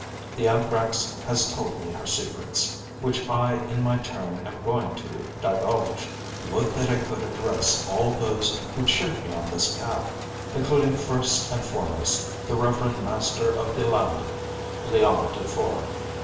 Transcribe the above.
The Anthrax has told me her secrets, which I in my turn am going to divulge. Would that I could address all those who cheered me on this path, including first and foremost the revered Master of the Landes [Leon Dufour].